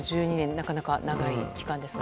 なかなか、長い期間ですが。